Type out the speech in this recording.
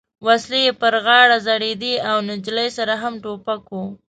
وسلې یې پر غاړه ځړېدې او نجلۍ سره هم ټوپک و.